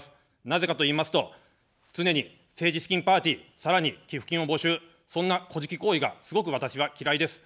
なぜかといいますと、常に政治資金パーティー、さらに寄付金を募集、そんな、こじき行為がすごく私は嫌いです。